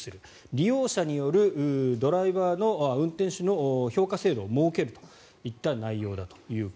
利用者による運転手の評価制度を設けるといった内容です。